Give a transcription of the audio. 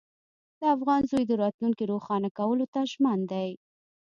د افغان زوی د راتلونکي روښانه کولو ته ژمن دی.